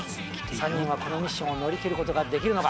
３人はこのミッションを乗り切ることができるのか。